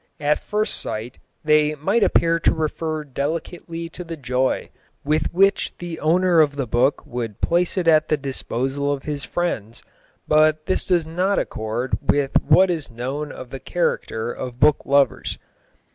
At first sight they might appear to refer delicately to the joy with which the owner of the book would place it at the disposal of his friends, but this does not accord with what is known of the character of book lovers.